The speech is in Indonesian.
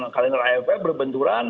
kalender ifp berbenturan